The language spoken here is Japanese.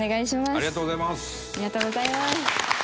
ありがとうございます。